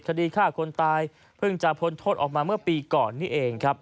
คดีฆ่าคนตายเพิ่งจะพ้นโทษออกมาเมื่อปีก่อนนี่เองครับ